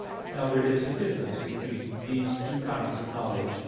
Now there is a difference between these two kinds of knowledge.